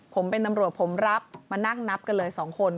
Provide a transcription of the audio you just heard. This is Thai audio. ผมเป็นตำรวจผมรับมานั่งนับกันเลย๒คน